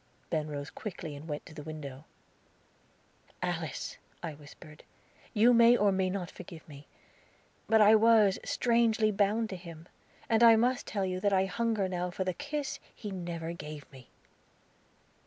Ben rose quickly and went to the window. "Alice!" I whispered, "you may or you may not forgive me, but I was strangely bound to him. And I must tell you that I hunger now for the kiss he never gave me."